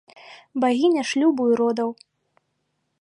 Багіня шлюбу і родаў.